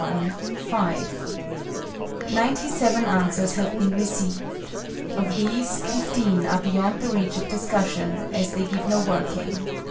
Ninety seven answers have been received. Of these, 15 are beyond the reach of discussion, as they give no working.